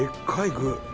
具。